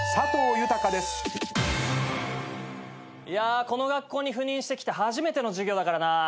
いやこの学校に赴任してきて初めての授業だからな。